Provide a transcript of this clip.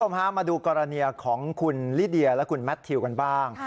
มาดูกรณีของคุณลิเดียและคุณแมททิวกันบ้าง